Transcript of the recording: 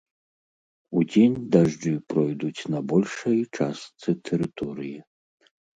Удзень дажджы пройдуць на большай частцы тэрыторыі.